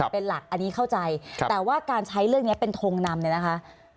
เป็นหลักอันนี้เข้าใจแต่ว่าการใช้เรื่องนี้เป็นทงนำเนี่ยนะคะ